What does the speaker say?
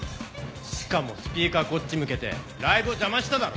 しかもスピーカーこっち向けてライブを邪魔しただろ。